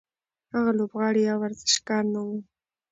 هغه لوبغاړی یا ورزشکار نه و.